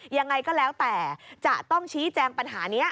ยังไงก็แล้วแต่จะต้องชี้แจงปัญหานี้